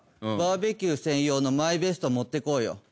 バーベキュー専用のマイベスト持ってこうよ。